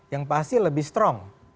yang pasti lebih strong